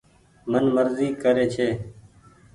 من مرزي ڪري ڇي ۔